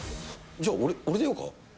じゃあ、俺出ようか？